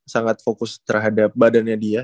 sangat fokus terhadap badannya dia